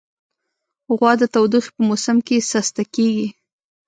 غوا د تودوخې په موسم کې سسته کېږي.